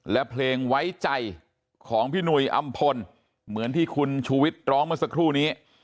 และเพลงไว้ใจของพี่หนุ่ยอำพลเหมือนที่คุณชูวิทย์ร้องเมื่อสักครู่นี้